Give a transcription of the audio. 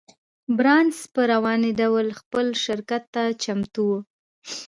بارنس په رواني ډول خپل شراکت ته چمتو و.